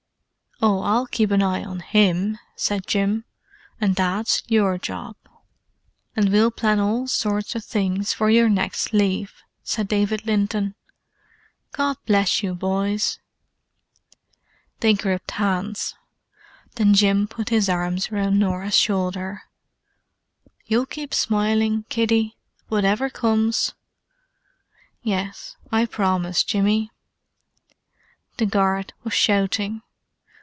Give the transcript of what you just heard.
"Oh, I'll keep an eye on him," said Jim. "And Dad's your job." "And we'll plan all sorts of things for your next leave," said David Linton. "God bless you, boys." They gripped hands. Then Jim put his arms round Norah's shoulder. "You'll keep smiling, kiddie? Whatever comes?" "Yes, I promise, Jimmy." The guard was shouting.